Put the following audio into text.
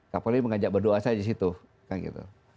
kapolri mengajak berdoa saja disitu